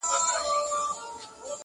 یوه بل ته یې ویله چي بیلیږو!!